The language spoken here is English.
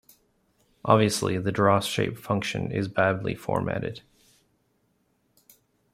Obviously, the DrawShape function is badly formatted.